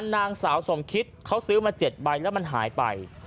นางสาวสมคิตเขาซื้อมา๗ใบแล้วมันหายไป